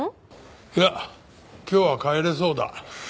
いや今日は帰れそうだ。